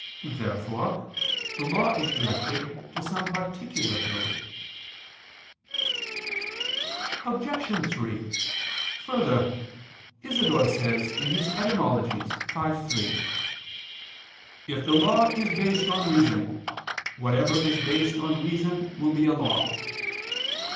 Therefore the law is directed to some particular good. Obj. 3: Further, Isidore says (Etym. v, 3): "If the law is based on reason, whatever is based on reason will be a law."